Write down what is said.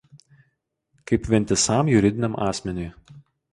kaip vientisam juridiniam asmeniui